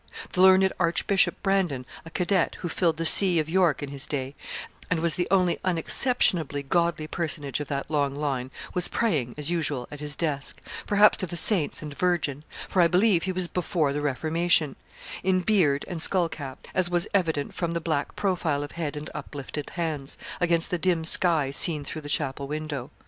The learned Archbishop Brandon, a cadet, who filled the see of York in his day, and was the only unexceptionably godly personage of that long line, was praying, as usual, at his desk perhaps to the saints and Virgin, for I believe he was before the Reformation in beard and skull cap, as was evident from the black profile of head and uplifted hands, against the dim sky seen through the chapel window.